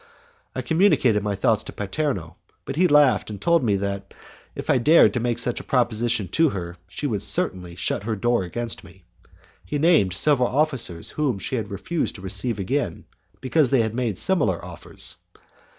I communicated my thoughts to Paterno, but he laughed and told me that, if I dared to make such a proposition to her, she would certainly shut her door against me. He named several officers whom she had refused to receive again, because they had made similar offers.